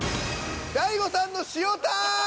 大悟さんの塩タン！